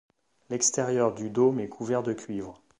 L'extérieur du dôme est couvert de cuivre.